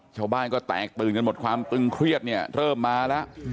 ชาวบ้านก็แตกตื่นกันหมดความตึงเครียดเนี่ยเริ่มมาแล้ว